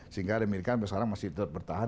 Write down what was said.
sehingga amerika sampai sekarang masih tetap bertahan